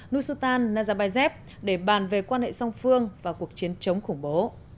nusultan nazarbayev để bàn về quan hệ song phương và cuộc chiến chống khủng bố